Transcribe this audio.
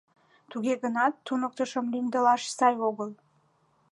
— Туге гынат туныктышым лӱмдылаш сай огыл.